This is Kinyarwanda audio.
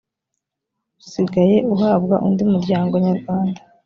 usigaye uhabwa undi muryango nyarwanda